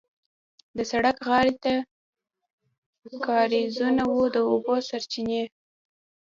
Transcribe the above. د سړک غاړې ته کارېزونه وو د اوبو سرچینې.